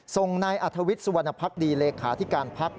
ส่งนายอัธวิทย์สุวรรณภักดีเลขาธิการพัก